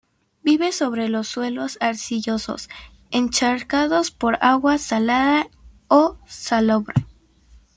Vive sobre suelos arcillosos encharcados por agua salada o salobre.